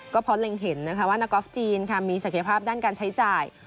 ก็เพราะเล็งเห็นนะคะว่านักกอล์ฟจีนมีศักยภาพด้านการใช้จ่าย